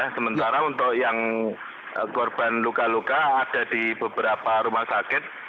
sementara untuk yang korban luka luka ada di beberapa rumah sakit